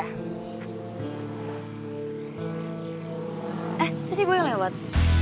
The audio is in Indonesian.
eh itu sih gue yang lewat